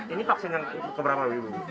ini vaksin yang keberama ibu